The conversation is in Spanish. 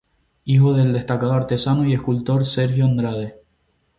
Hijo del destacado artesano y escultor Sergio Andrade.